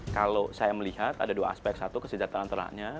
kalau saya melihat ada dua aspek satu kesejahteraan ternaknya